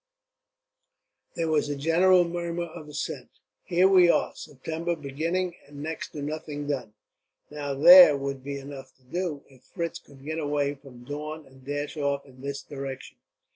There was a general murmur of assent. "Here we are, September beginning, and next to nothing done. Now there would be enough to do, if Fritz could get away from Daun and dash off in this direction."